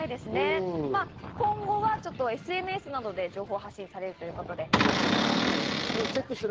今後はＳＮＳなどで情報発信されるということで、気になる方はチェックしてください。